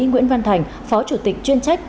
nguyễn văn thành phó chủ tịch chuyên trách